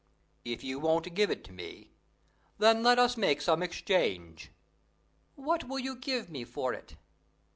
"If you won't give it to me, then let us make some exchange." "What will you give me for it?"